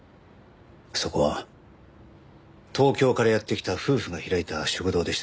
そこは東京からやって来た夫婦が開いた食堂でした。